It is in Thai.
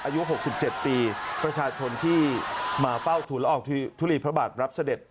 อายุ๖๗ปีประชาชนที่มาเฝ้าทุนละอองทุลีพระบาทรับเสด็จ